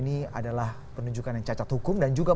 mengangkat archandra tahar sebagai wakil menteri sd